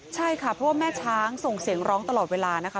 ใช่ค่ะเพราะว่าแม่ช้างส่งเสียงร้องตลอดเวลานะคะ